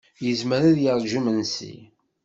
Yezmer ad yaṛǧu imensi.